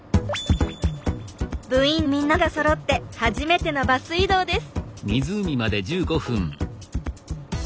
部員みんながそろって初めてのバス移動です。